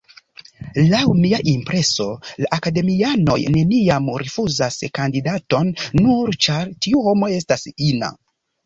Laŭ mia impreso, la akademianoj neniam rifuzas kandidaton, nur ĉar tiu homo estas ina.